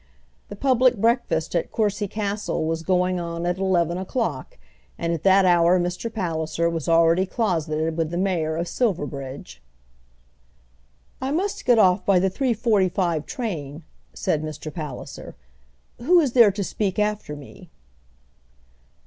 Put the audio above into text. The public breakfast at Courcy Castle was going on at eleven o'clock, and at that hour Mr. Palliser was already closeted with the Mayor of Silverbridge. "I must get off by the 3.45 train," said Mr. Palliser. "Who is there to speak after me?"